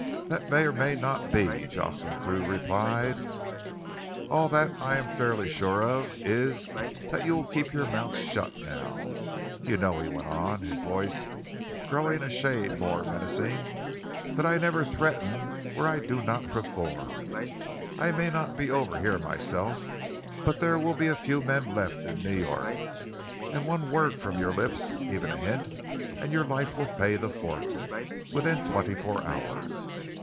"That may or may not be," Jocelyn Thew replied. "All that I am fairly sure of is that you will keep your mouth shut now. You know," he went on, his voice growing a shade more menacing, "that I never threaten where I do not perform. I may not be over here myself, but there will be a few men left in New York, and one word from your lips even a hint and your life will pay the forfeit within twenty four hours.